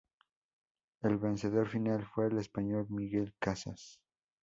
El vencedor final fue el español Miguel Casas.